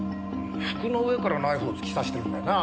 服の上からナイフを突き刺してるんだよな。